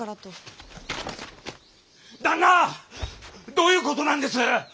どういうことなんです？